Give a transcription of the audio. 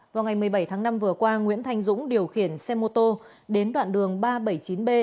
vào ngày một mươi bảy tháng năm vừa qua nguyễn thanh dũng điều khiển xe mô tô đến đoạn đường ba trăm bảy mươi chín b